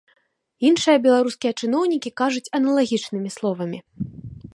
Іншыя беларускія чыноўнікі кажуць аналагічнымі словамі.